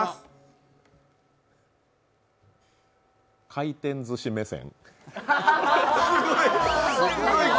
回転ずし目線。